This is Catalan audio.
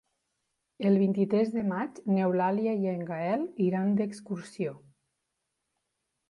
El vint-i-tres de maig n'Eulàlia i en Gaël iran d'excursió.